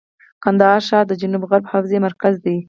کندهار ښار د جنوب غرب حوزې مرکز دی.